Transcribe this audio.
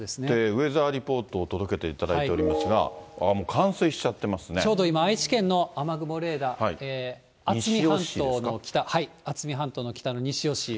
ウェザーリポートを届けていただいておりますが、ああ、ちょうど今、愛知県の雨雲レーダー、あつみ半島の北、渥美半島の北の西尾市。